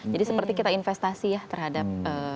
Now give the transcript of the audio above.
jadi seperti kita investasi ya terhadap